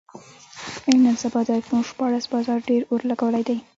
نن سبا د ایفون شپاړس بازار ډېر اور لګولی دی.